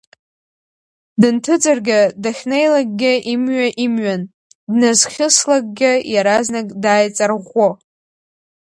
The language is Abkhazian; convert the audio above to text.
Дынҭыҵыргьы, дахьнеилакгьы имҩа имҩан дназхьыслакгьы иаразнак дааиҵарӷәӷәо.